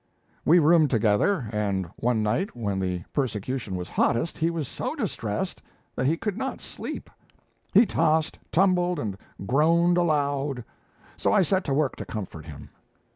We roomed together, and one night, when the persecution was hottest, he was so distressed that he could not sleep. He tossed, tumbled, and groaned aloud. So I set to work to comfort him.